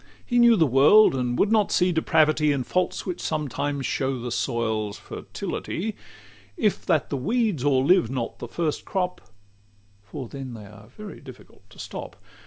He knew the world, and would not see depravity In faults which sometimes show the soil's fertility, If that the weeds o'erlive not the first crop For then they are very difficult to stop.